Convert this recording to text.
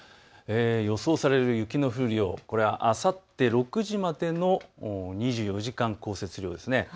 予想される雪の降る量これはあさって６時までの２４時間降雪量です。